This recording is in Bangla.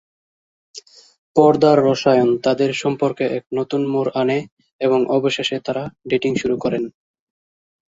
পর্দার রসায়ন তাঁদের সম্পর্কে এক নতুন মোড় আনে এবং অবশেষে তাঁরা ডেটিং শুরু করেন।